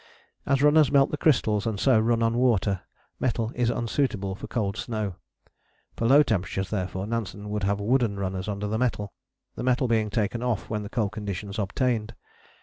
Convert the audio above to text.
As runners melt the crystals and so run on water, metal is unsuitable for cold snow. For low temperatures, therefore, Nansen would have wooden runners under the metal, the metal being taken off when cold conditions obtained.